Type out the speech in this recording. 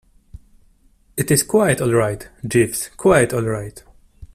It is quite all right, Jeeves, quite all right.